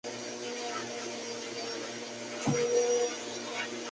Tresillos de semicorcheas dominan la tercera variación.